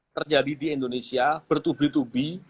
terjadi di indonesia bertubi tubi